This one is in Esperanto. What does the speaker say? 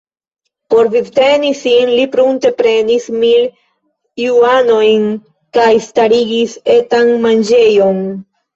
Por vivteni sin li prunte prenis mil juanojn kaj starigis etan manĝejon.